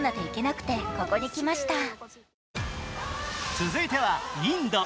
続いてはインド。